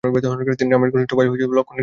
তিনি রামের কনিষ্ঠ ভাই লক্ষ্মণের স্ত্রী ছিলেন।